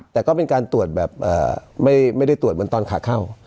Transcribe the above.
แต่ก็เป็นการตรวจแบบไม่ได้ตรวจเหมือนตอนขาเข้า